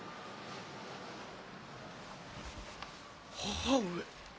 母上。